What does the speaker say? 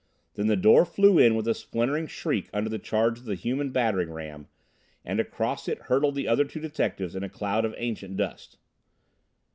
Then the door flew in with a splintering shriek under the charge of the human battering ram, and across it hurtled the other two detectives in a cloud of ancient dust.